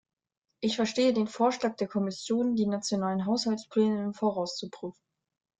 Ich verstehe den Vorschlag der Kommission, die nationalen Haushaltspläne im Voraus zu prüfen.